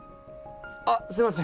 あっすいません。